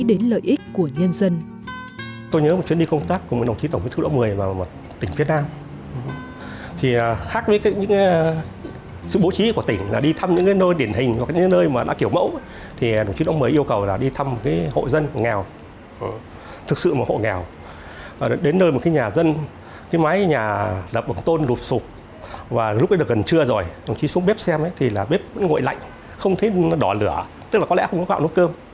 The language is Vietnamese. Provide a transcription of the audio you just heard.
đồng chí cũng nghĩ đến lợi ích của nhân dân